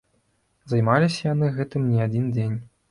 Займаліся яны гэтым не адзін дзень.